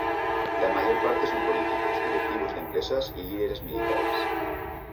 La mayor parte son políticos, directivos de empresas y líderes militares.